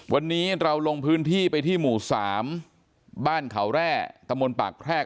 วันนี้เราลงพื้นที่ไปที่หมู่๓บ้านเขาแร่ตะมนต์ปากแพรก